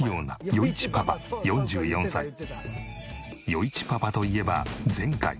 余一パパといえば前回。